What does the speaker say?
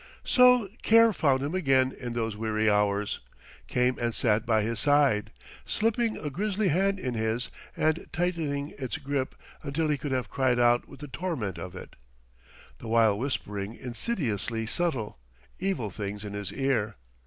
So Care found him again in those weary hours, came and sat by his side, slipping a grisly hand in his and tightening its grip until he could have cried out with the torment of it; the while whispering insidiously subtile, evil things in his ear.